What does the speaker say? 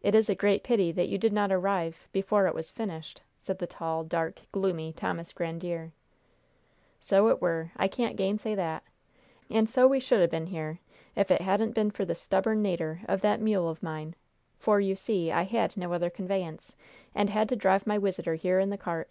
"It is a great pity that you did not arrive before it was finished," said the tall, dark, gloomy Thomas Grandiere. "So it were. I can't gainsay that. And so we should 'a' been here if it hadn't been for the stubborn nater of that mule o' mine; for, you see, I had no other conveyance, and had to drive my wisitor here in the cart.